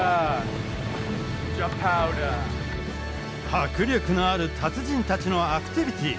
迫力のある達人たちのアクティビティー。